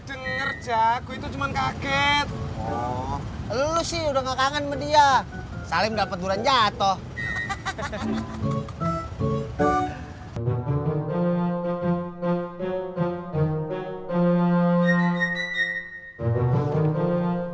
denger jago itu cuman kaget lu sih udah kangen media salim dapat duranya atau